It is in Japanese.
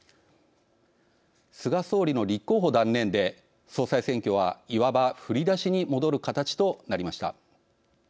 菅総理の立候補断念で総裁選挙はいわば振り出しに戻る形となりました。